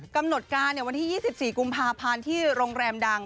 กำหนดการวันที่๒๔กุมภาพันธ์ที่โรงแรมดัง